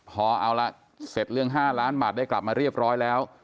พอเอาละเสร็จเรื่อง๕ล้านบาทได้กลับมาเรียบร้อยแล้ว